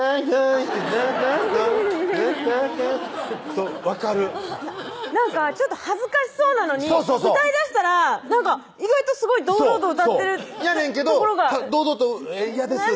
そう分かるなんかちょっと恥ずかしそうなのに歌いだしたらなんか意外とすごい堂々と歌ってるやねんけど堂々と「嫌です」って恥ずかしがったのに歌いだしたら